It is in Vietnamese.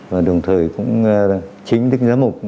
và đồng thời cũng chính tức giáo mục